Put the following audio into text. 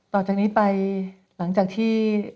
ต่อจากนี้ไปหลังจากที่